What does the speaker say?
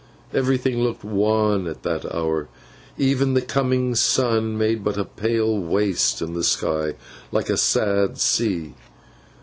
Everything looked wan at that hour. Even the coming sun made but a pale waste in the sky, like a sad sea.